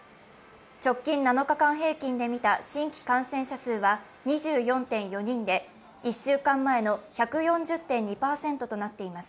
直近７日間平均で見た新規感染者数は２４．４人で、１週間前の１４０．２％となっています。